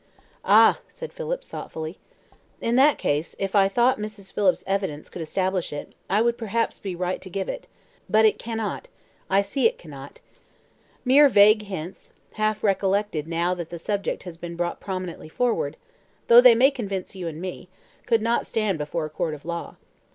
"Ah," said Phillips, thoughtfully, "in that case, if I thought Mrs. Phillips's evidence could establish it, it would perhaps be right to give it; but it cannot I see it cannot. Mere vague hints, half recollected now that the subject has been brought prominently forward, though they may convince you and me, could not stand before a court of law.